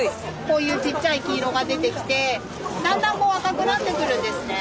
こういうちっちゃい黄色が出てきてだんだんこう赤くなってくるんですね。